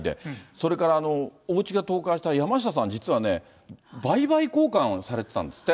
それからおうちが倒壊した山下さん、実はね、売買交換をされてたんですって。